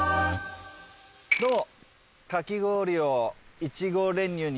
どうも。